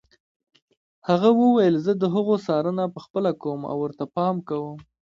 هغه وویل زه د هغو څارنه پخپله کوم او ورته پام کوم.